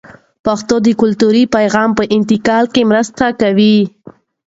پښتو د کلتوري پیغام په انتقال کې مرسته کوي.